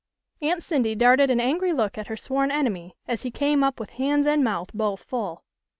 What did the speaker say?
Aunt Cindy darted an angry look at her sworn enemy, as he came up with hands and mouth both full.